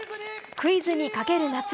クイズにかける夏。